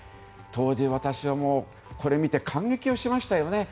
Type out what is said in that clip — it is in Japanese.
当時、私はこれを見て感激しましたよね。